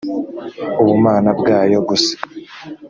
ubumana bwayo gusa